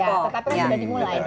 tapi sudah dimulai pembangunan itu